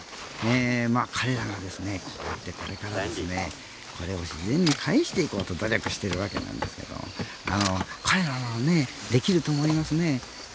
彼らがですね、こうやってこれを自然に返していこうと努力しているわけなんですけれど彼らならね、できると思いますね。